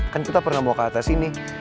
kan kita pernah mau ke atas ini